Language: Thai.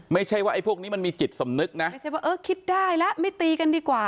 ไม่ใช่ว่าไอ้พวกนี้มันมีจิตสำนึกนะไม่ใช่ว่าเออคิดได้แล้วไม่ตีกันดีกว่า